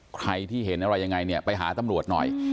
ใครที่เห็นอะไรยังไงเนี่ยไปหาตำรวจหน่อย